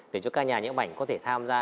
để cho các nhà nhãn bảnh có thể tham gia